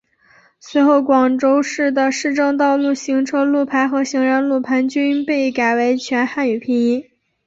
随后广州市的市政道路行车路牌和行人路牌均被改成全汉语拼音。